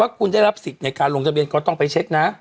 คุณได้รับสิทธิ์ในการลงทะเบียนก็ต้องไปเช็คนะ